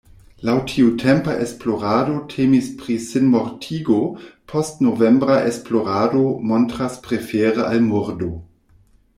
Laŭ tiutempa esplorado temis pri sinmortigo, postnovembra esplorado montras prefere al murdo.